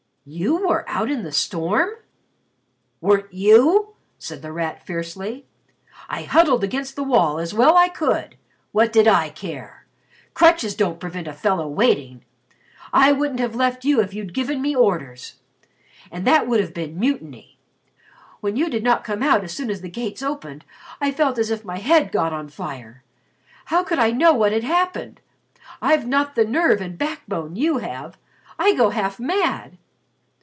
"You were out in the storm?" "Weren't you?" said The Rat fiercely. "I huddled against the wall as well as I could. What did I care? Crutches don't prevent a fellow waiting. I wouldn't have left you if you'd given me orders. And that would have been mutiny. When you did not come out as soon as the gates opened, I felt as if my head got on fire. How could I know what had happened? I've not the nerve and backbone you have. I go half mad."